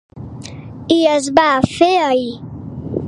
I es va fer ahir.